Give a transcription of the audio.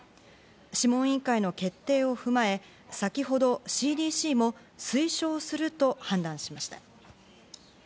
諮問委員会の決定を踏まえ、先ほどＣＤＣも推奨すると判断しました。